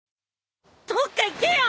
どっか行けよ！